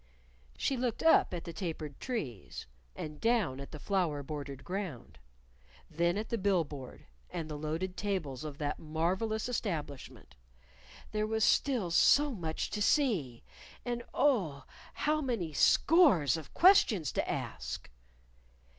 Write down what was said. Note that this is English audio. She looked up at the tapered trees, and down at the flower bordered ground; then at the bill board, and the loaded tables of that marvelous establishment. There was still so much to see! And, oh, how many scores of questions to ask!